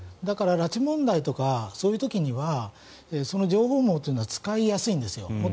だから拉致問題とかそういう時にはその情報網は使いやすいんですよ。